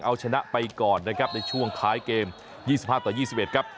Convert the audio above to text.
เอาชนะไปก่อนนะครับในช่วงท้ายเกม๒๕ต่อ๒๑ครับ